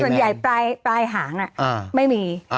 ส่วนใหญ่ปลายหางไม่มี